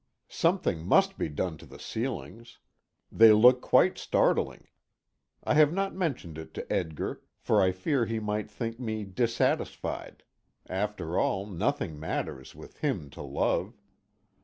Something must be done to the ceilings. They look quite startling. I have not mentioned it to Edgar, for I fear he might think me dissatisfied after all, nothing matters, with him to love.